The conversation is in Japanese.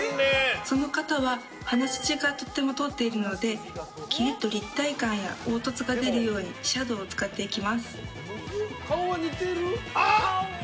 その方は鼻筋がとても通っているのでキリッと立体感や凹凸感が出るようにシャドーを使っていきます。